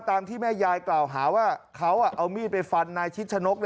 ตามที่แม่ยายกล่าวหาว่าเขาเอามีดไปฟันนายชิดชะนก